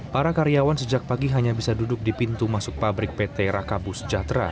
para karyawan sejak pagi hanya bisa duduk di pintu masuk pabrik pt rakabu sejahtera